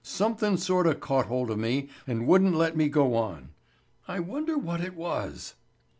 Somethin' sort of caught hold of me and wouldn't let me go on. I wonder what it was?"